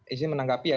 izin menanggapi ya